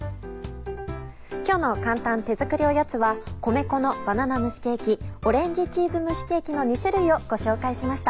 今日の簡単手作りおやつは「米粉のバナナ蒸しケーキ」「オレンジチーズ蒸しケーキ」の２種類をご紹介しました。